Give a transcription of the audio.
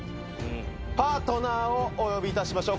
パートナーをお呼びいたしましょう。